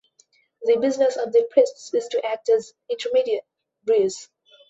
The business of the priests is to act as intermediaries.